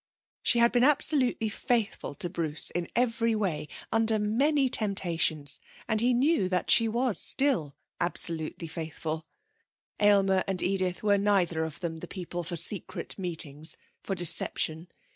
She had been absolutely faithful to Bruce in every way, under many temptations, and he knew she was still absolutely faithful. Aylmer and Edith were neither of them the people for secret meetings, for deception.